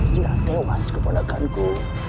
sudah tewas kebenakanku